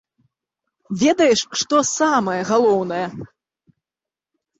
Ведаеш, што самае галоўнае?